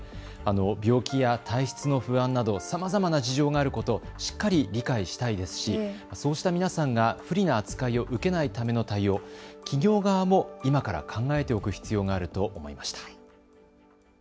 病気や体質の不安などさまざまな事情があること、しっかり理解したいですしそうした皆さんが不利な扱いを受けないための対応、企業側も今から考えておく必要があると思いました。